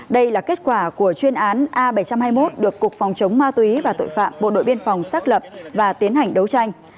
đây là kết quả của chuyên án a bảy trăm hai mươi một được cục phòng chống ma túy và tội phạm bộ đội biên phòng xác lập và tiến hành đấu tranh